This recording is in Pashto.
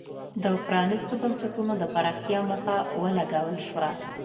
د پرانیستو بنسټونو د پراختیا موخه ولګول شوه.